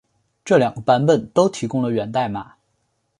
这两个版本都提供了源代码。